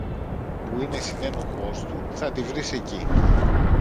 που είναι συνένοχος του, θα τη βρεις εκεί.